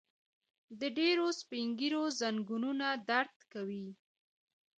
د ډيرو سپين ږيرو ځنګنونه درد کوي.